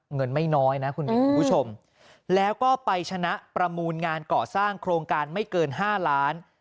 เงินไม่น้อยนะคุณมินคุณผู้ชมแล้วก็ไปชนะประมูลงานก่อสร้างโครงการไม่เกิน๕ล้าน